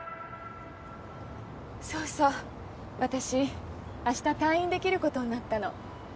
そうそう私明日退院できることになったの。